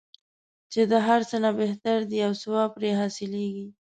چې د هر څه نه بهتره دی او ثواب پرې حاصلیږي.